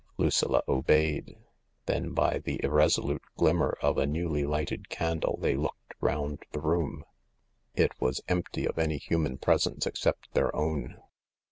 Lucilla obeyed. Then by the irresolute glimmer of a newly lighted candle they looked round the room. It was empty of any human presence except their own.